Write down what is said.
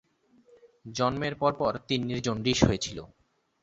জন্মের পরপর তিন্নির জন্ডিস হয়েছিল।